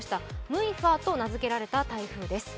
ムイファーと名付けられた台風です。